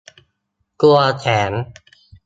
กลัวแสง